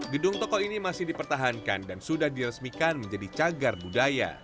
gedung toko ini masih dipertahankan dan sudah diresmikan menjadi cagar budaya